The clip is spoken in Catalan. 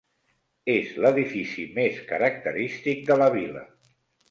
És l'edifici més característic de la Vila.